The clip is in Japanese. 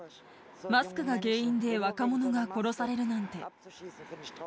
マスクが原因で若者が殺されるなんて。